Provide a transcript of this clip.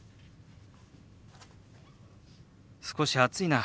少し暑いな。